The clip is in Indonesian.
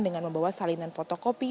dengan membawa salinan fotokopi